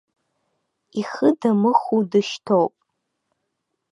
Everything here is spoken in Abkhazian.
Ихы дамыхәо дышьҭоуп.